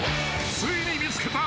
［ついに見つけた］